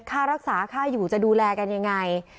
ค่ารักษาค่าอยู่จะดูแลกันยังไง